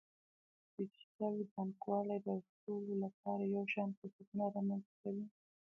ډیجیټل بانکوالي د ټولو لپاره یو شان فرصتونه رامنځته کوي.